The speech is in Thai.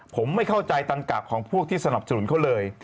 ผมไม่เข้าใจตันกะของพวกที่สนับสนุนเขาเลย